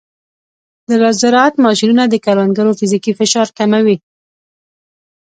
د زراعت ماشینونه د کروندګرو فزیکي فشار کموي.